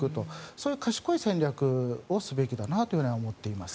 そういう賢い戦略をすべきだと思っています。